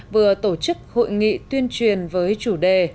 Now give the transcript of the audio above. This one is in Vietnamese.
vừa tổ chức hội nghị tuyên truyền với chủ đề